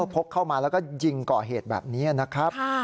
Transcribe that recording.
พกเข้ามาแล้วก็ยิงก่อเหตุแบบนี้นะครับ